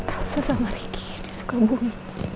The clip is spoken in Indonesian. asal sama ricky di sukabumi